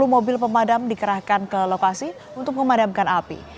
dua puluh mobil pemadam dikerahkan ke lokasi untuk memadamkan api